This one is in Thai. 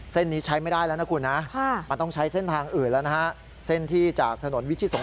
เซ้นนี้ใช้ไม่ได้แล้วนะคุณ